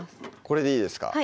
これでいいですか？